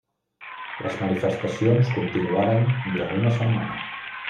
Les manifestacions continuaren durant una setmana.